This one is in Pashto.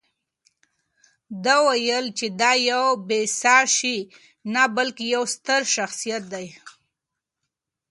ده وویل چې دا یو بې ساه شی نه، بلکې یو ستر شخصیت دی.